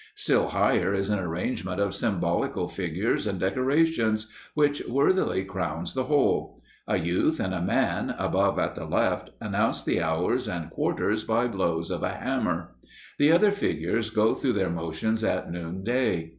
Still higher is an arrangement of symbolical figures and decorations, which worthily crowns the whole. A youth and a man, above at the left, announce the hours and quarters by blows of a hammer. The other figures go through their motions at noonday.